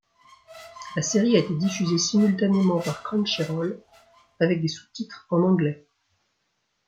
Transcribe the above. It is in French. La série a été diffusée simultanément par Crunchyroll avec des sous-titres en anglais.